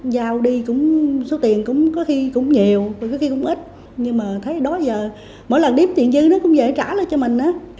giao đi số tiền có khi cũng nhiều có khi cũng ít nhưng mà thấy đói giờ mỗi lần điếm tiền dư nó cũng dễ trả lại cho mình á